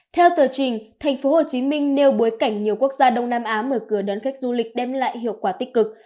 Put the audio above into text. theo tờ trình thành phố hồ chí minh nêu bối cảnh nhiều quốc gia đông nam á mở cửa đón khách du lịch đem lại hiệu quả tích cực